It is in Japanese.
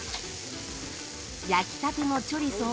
焼きたてのチョリソを。